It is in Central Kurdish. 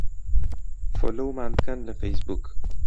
فۆلۆومان بکەن لە فەیسبووک.